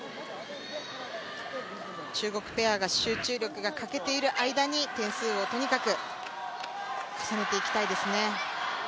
中国ペアが集中力が欠けている間に点数をとにかく重ねていきたいですね。